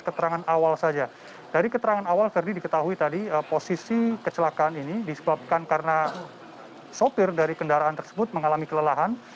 keterangan awal saja dari keterangan awal ferdi diketahui tadi posisi kecelakaan ini disebabkan karena sopir dari kendaraan tersebut mengalami kelelahan